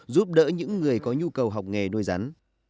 giúp đỡ những người có nhu cầu học nghề nuôi rắn